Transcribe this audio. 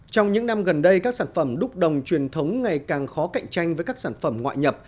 trong những năm gần đây các sản phẩm đúc đồng truyền thống ngày càng khó cạnh tranh với các sản phẩm ngoại nhập